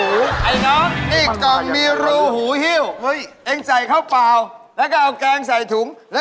อันนี้เขาเรียกกล่องมีรูหูหิ้ว